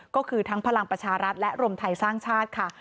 ก็คือทั้งพลังประชารัฐและรวมไทยสร้างชาติค่ะ